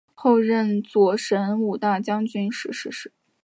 后任左神武大将军时逝世。